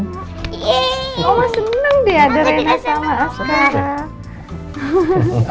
opa senang deh ada rena sama askara